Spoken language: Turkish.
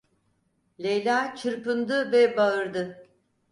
Leyla çırpındı ve bağırdı.